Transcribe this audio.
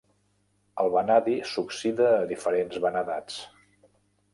El vanadi s'oxida a diferents vanadats.